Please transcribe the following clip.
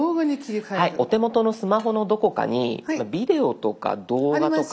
お手元のスマホのどこかに「ビデオ」とか「動画」とか。